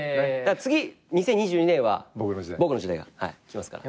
次２０２２年は僕の時代が来ますから。